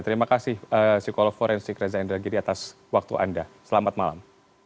terima kasih psikolog forensik reza indragiri atas waktu anda selamat malam